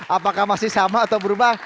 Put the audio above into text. apakah masih sama atau berubah